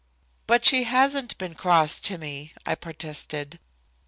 "But she hasn't been cross to me," I protested.